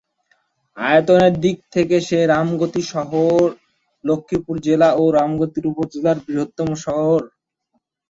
আয়তনের দিক থেকে রামগতি শহর লক্ষ্মীপুর জেলা এবং রামগতি উপজেলার বৃহত্তম শহর।